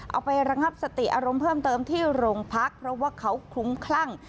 เอาไประงับสติอารมณ์เพิ่มเติมที่โรงพักเพราะว่าเขาคลุ้มคลั่ง